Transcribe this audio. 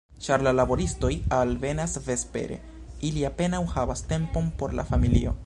Ĉar la laboristoj alvenas vespere, ili apenaŭ havas tempon por la familio.